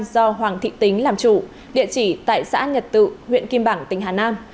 do hoàng thị tính làm chủ địa chỉ tại xã nhật tự huyện kim bảng tỉnh hà nam